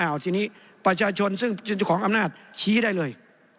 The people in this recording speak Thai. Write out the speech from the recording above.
เอาทีนี้ประชาชนซึ่งเป็นเจ้าของอำนาจชี้ได้เลย